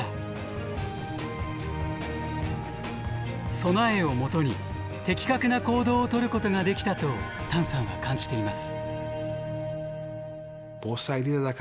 備えをもとに的確な行動を取ることができたと譚さんは感じています。